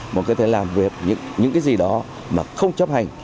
mà có thể làm việc những cái gì đó mà không chấp hành